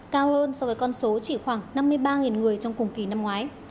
cao hơn so với con số chỉ khoảng năm mươi ba người trong cùng kỳ năm ngoái